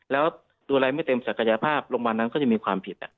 แล้วดูอะไรไม่เต็มศักยภาพโรงพยาบาลนั้นก็จะมีความผิด